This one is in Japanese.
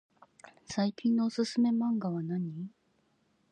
最近のおすすめマンガはなに？